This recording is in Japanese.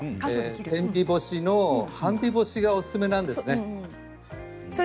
天日干しの半日干しがおすすめです。